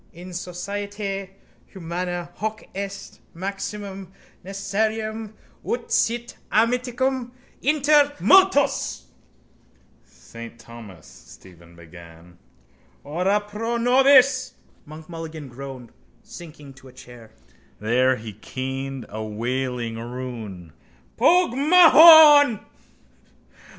In societate humana hoc est maxime necessarium ut sit amicitia inter multos._ —Saint Thomas, Stephen began... —Ora pro nobis, Monk Mulligan groaned, sinking to a chair. There he keened a wailing rune. —_Pogue mahone!